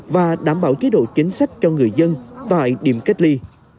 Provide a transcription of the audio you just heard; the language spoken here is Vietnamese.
và đảm bảo chế độ chính sách cho người dân tại điểm cách ly